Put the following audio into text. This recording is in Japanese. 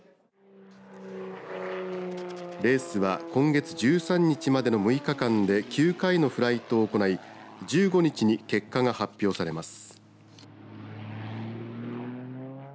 レースは今月１３日までの６日間で９回のフライトを行い１５日に結果が発表されます。